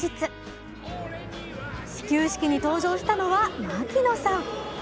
始球式に登場したのは槙野さん。